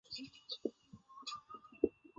散馆授编修。